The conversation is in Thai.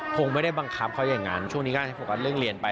คงไม่ได้บังคับเขาอย่างงั้นช่วงนี้ก็เริ่มเรียนไป